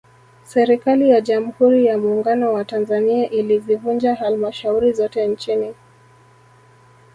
Serikali ya Jamhuri ya Muungano wa Tanzania ilizivunja Halmashauri zote nchini